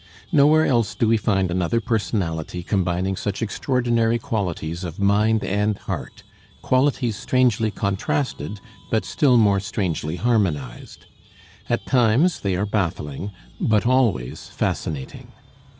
Nowhere else do we find another personality combining such extraordinary qualities of mind and heart, qualities strangely contrasted, but still more strangely harmonized. At times they are baffling, but always fascinating.